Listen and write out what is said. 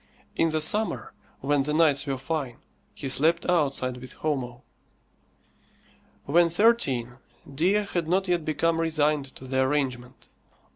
In the summer, when the nights were fine, he slept outside with Homo. When thirteen, Dea had not yet become resigned to the arrangement.